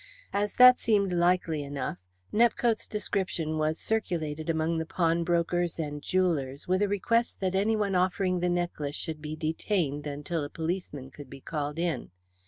As that seemed likely enough, Nepcote's description was circulated among the pawn brokers and jewellers, with a request that anyone offering the necklace should be detained until a policeman could be called in.